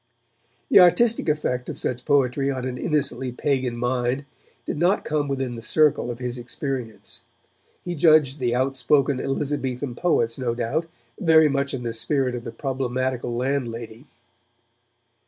The artistic effect of such poetry on an innocently pagan mind did not come within the circle of his experience. He judged the outspoken Elizabethan poets, no doubt, very much in the spirit of the problematical landlady.